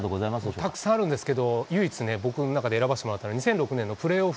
たくさんあるんですけど唯一、僕の中で選ばしてもらうのは２００６年のプレーオフ。